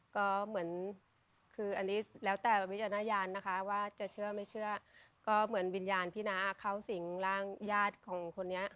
ก็เหมือนคืออันนี้แล้วแต่วิจารณญาณนะคะว่าจะเชื่อไม่เชื่อก็เหมือนวิญญาณพี่น้าเข้าสิงร่างญาติของคนนี้